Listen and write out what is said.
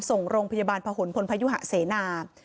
ส่งห้องพยาบาลแผ่งผลพอยู่หาเสนา